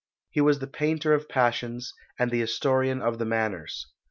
He was the painter of passions, and the historian of the manners.